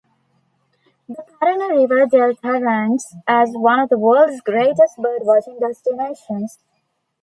The Parana River delta ranks as one of the world's greatest bird-watching destinations.